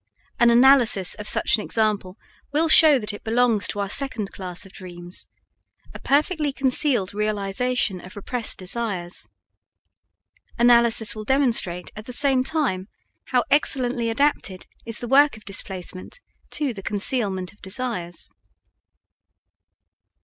An analysis of such an example will show that it belongs to our second class of dreams a perfectly concealed realization of repressed desires. Analysis will demonstrate at the same time how excellently adapted is the work of displacement to the concealment of desires.